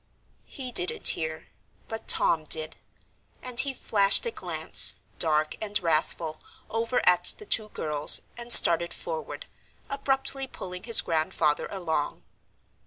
He didn't hear, but Tom did; and he flashed a glance dark and wrathful over at the two girls, and started forward, abruptly pulling his Grandfather along.